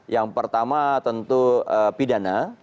yang pertama tentu pidana